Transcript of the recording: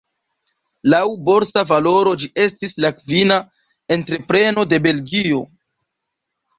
Laŭ borsa valoro ĝi estis la kvina entrepreno de Belgio.